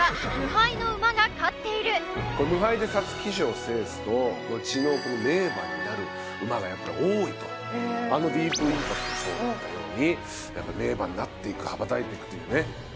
これ無敗で皐月賞を制すと後の名馬になる馬がやっぱり多いとあのディープインパクトもそうだったようにやっぱ名馬になっていく羽ばたいていくというね